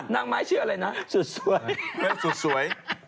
มีทองนางไม้เชื่อไรนะสุดสวย